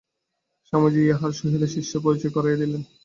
স্বামীজী ইঁহার সহিত শিষ্যের পরিচয় করাইয়া দিলেন।